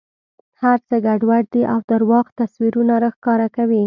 هر څه ګډوډ دي او درواغ تصویرونه را ښکاره کوي.